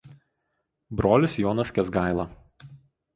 Brolis Jonas Kęsgaila.